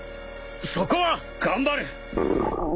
そこは頑張る！